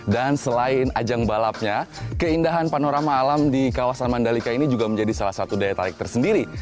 dan selain ajang balapnya keindahan panorama alam di kawasan mandalika ini juga menjadi salah satu daya tarik tersendiri